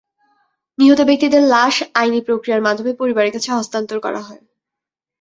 নিহত ব্যক্তিদের লাশ আইনি প্রক্রিয়ার মাধ্যমে পরিবারের কাছে হস্তান্তর করা হয়।